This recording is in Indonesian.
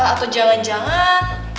atau jangan jangan